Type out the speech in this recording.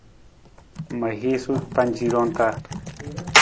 Ma hiisu pancirang ta.